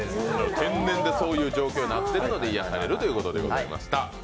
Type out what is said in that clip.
天然でそういう状況になっているので癒やされるということでございました。